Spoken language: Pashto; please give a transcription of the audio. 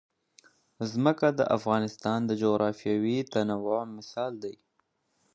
ځمکه د افغانستان د جغرافیوي تنوع مثال دی.